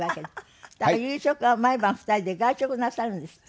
夕食は毎晩２人で外食なさるんですって？